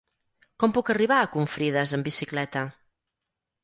Com puc arribar a Confrides amb bicicleta?